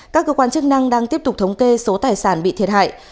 các cơ quan chức năng đang tiếp tục thống kê số tài sản bị thiệt hại